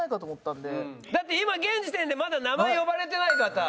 だって今現時点でまだ名前呼ばれてない方。